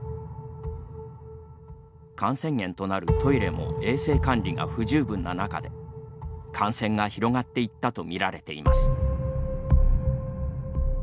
感染源となるトイレも衛生管理が不十分な中で感染が広がっていったと見られています。